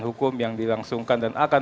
hukum yang dilangsungkan dan akan